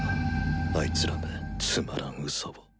あいつらめつまらんうそを。